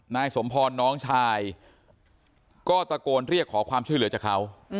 นายสมพรน้องชายก็ตะโกนเรียกขอความช่วยเหลือจากเขา